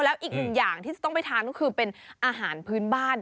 แล้วอีกหนึ่งอย่างที่จะต้องไปทานก็คือเป็นอาหารพื้นบ้าน